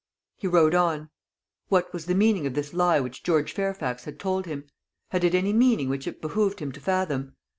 He rode on. What was the meaning of this lie which George Fairfax had told him? Had it any meaning which it behoved him to fathom?